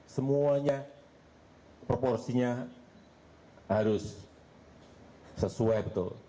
semuanya proporsinya harus sesuai betul